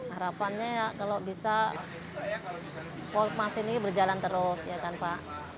harapannya ya kalau bisa poltmas ini berjalan terus ya kan pak